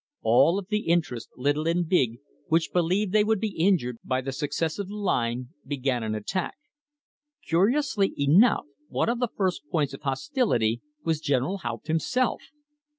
All of the interests, little and big, which believed that they would be injured by the success of the line, began an attack. Curiously enough one of the first points of hostility was General Haupt himself.